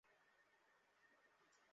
তাকে সার্জারির জন্য প্রস্তুত করুন।